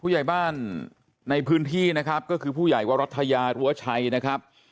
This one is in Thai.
ใหญ่บ้านในพื้นที่นะครับก็คือผู้ใหญ่วรัฐยารั้วชัยนะครับ